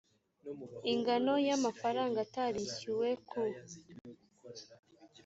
ingano y amafaranga atarishyuwe ku